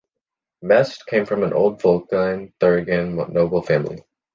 Metzsch came from an old Vogtland-Thuringian noble family.